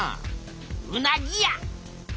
うなぎや！